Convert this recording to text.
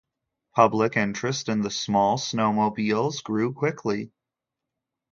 Public interest in the small snowmobiles grew quickly.